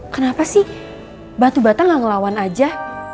kenapa sih batu bata gak ngelawan aja